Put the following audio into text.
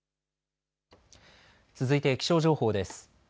続いて気象情報です。